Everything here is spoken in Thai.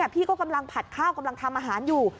พี่ก็กำลังผัดข้าวกำลังทำอาหารอยู่